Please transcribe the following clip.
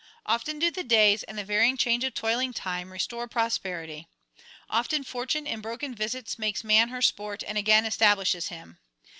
Often do the Days and the varying change of toiling Time restore prosperity; often Fortune in broken visits makes man her sport and again establishes him.